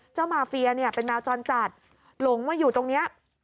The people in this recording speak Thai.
เจ้ามาเฟียเป็นแมวจรจัดหลงมาอยู่ตรงนี้